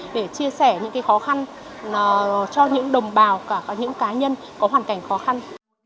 để chia sẻ những khó khăn cho những đồng bào những cá nhân có hoàn cảnh khó khăn